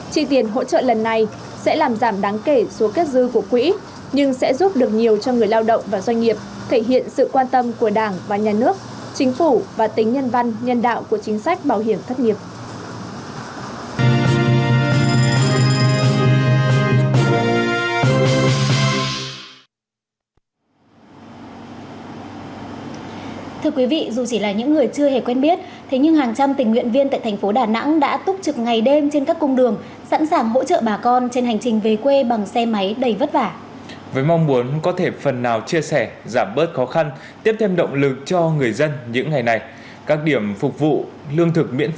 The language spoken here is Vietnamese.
chi tiền hỗ trợ lần này sẽ làm giảm đáng kể số kết dư của quỹ nhưng sẽ giúp được nhiều cho người lao động và doanh nghiệp thể hiện sự quan tâm của đảng và nhà nước chính phủ và tính nhân văn nhân đạo của chính sách bảo hiểm thất nghiệp